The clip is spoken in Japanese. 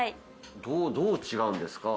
どう違うんですか？